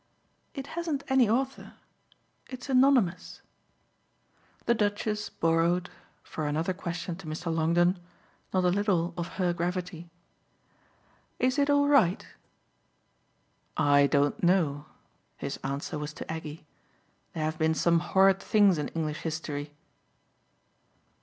"It hasn't any author. It's anonymous." The Duchess borrowed, for another question to Mr. Longdon, not a little of her gravity. "Is it all right?" "I don't know" his answer was to Aggie. "There have been some horrid things in English history."